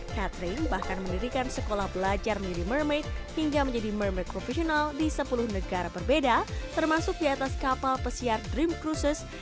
catering bahkan mendirikan sekolah belajar menjadi mermaid hingga menjadi mermaid profesional di sepuluh negara berbeda termasuk di atas kapal pesiar dream cruises